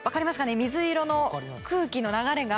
水色の空気の流れが。